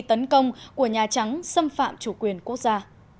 tấn công của nhà trắng xâm phạm chủ quyền quốc gia